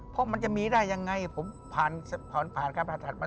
เพราะมันจะมีได้ยังไงผมผ่านภาษามา๒ครั้ง